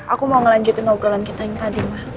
aku mau ngelanjutin ogelan kita yang tadi ma